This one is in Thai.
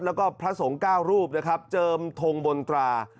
แล้วก็พระสงฆ์๙รูปนะครับเจิมทงบนตรา